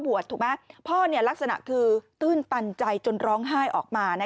ถูกไหมพ่อลักษณะคือตื้นตันใจจนร้องไห้ออกมา